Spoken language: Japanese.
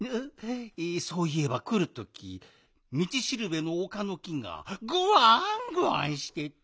そういえばくるときみちしるべのおかの木がぐわんぐわんしてて。